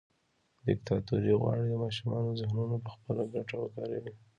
دیکتاتوري غواړي د ماشومانو ذهنونه پخپله ګټه وکاروي.